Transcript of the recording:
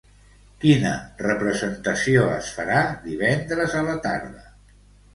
Quina representació es farà divendres a la tarda?